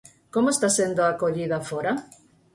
Como está sendo a acollida fóra?